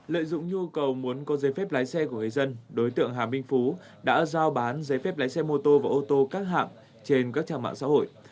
lợi dụng nhu cầu muốn có giấy phép lái xe của người dân đối tượng hà minh phú đã giao bán giấy phép lái xe mô tô và ô tô các hạng trên các trang mạng xã hội